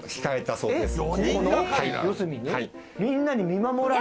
そうですね。